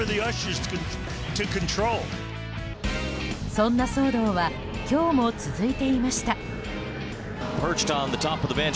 そんな騒動は今日も続いていました。